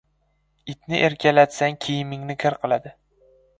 • Itni erkalatsang kiyimingni kir qiladi.